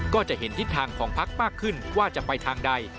ก็จะเห็นทิศทางของพักมากขึ้นว่าจะไปทางใด